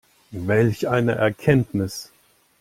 Welch eine Erkenntnis!